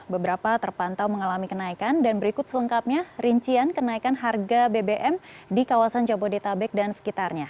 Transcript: beberapa terpantau mengalami kenaikan dan berikut selengkapnya rincian kenaikan harga bbm di kawasan jabodetabek dan sekitarnya